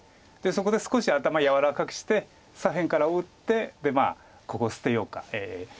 そこで少し頭柔らかくして左辺から打ってここ捨てようか。